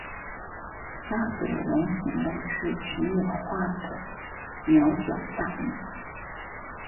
鸭嘴龙形类是群衍化的鸟脚下目。